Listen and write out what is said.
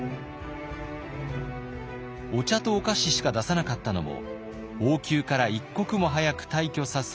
お茶とお菓子しか出さなかったのも王宮から一刻も早く退去させ